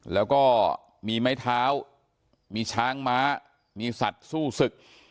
แล้วก็มีไม้เท้ามีช้างม้ามีสัตว์สู้ศึก